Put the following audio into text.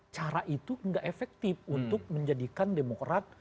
cara itu tidak efektif untuk menjadikan demokrat